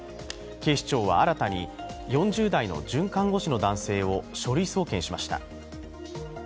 警視庁は新たに４０代の准看護師の男性を書類送検しました。